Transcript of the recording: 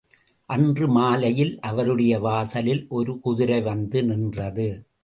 அன்று மாலையில் அவருடைய வாசலில் ஒரு குதிரை வந்து நின்றது.